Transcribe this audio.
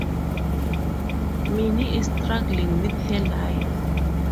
Minny is struggling with her life.